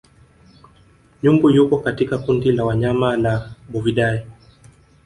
Nyumbu yuko katika kundi la wanyama la Bovidae